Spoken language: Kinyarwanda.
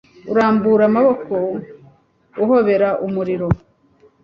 urambura amaboko ahobera umuriro